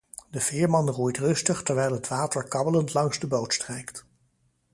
De veerman roeit rustig terwijl het water kabbelend langs de boot strijkt.